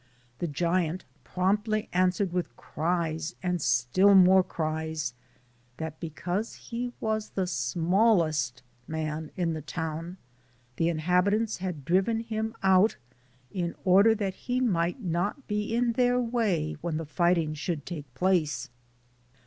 The giant promptly answered, with cries and still more cries, that because he was the smallest man in the town, the inhabitants had driven him out in order that he might not be in their way when the fighting should take place.